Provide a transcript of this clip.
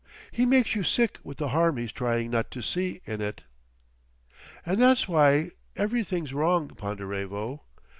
He makes you sick with the Harm he's trying not to see in it... "And that's why everything's wrong, Ponderevo.